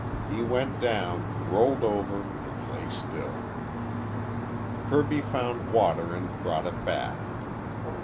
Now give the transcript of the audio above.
He went down, rolled over, and lay still. Kirby found water and brought it back.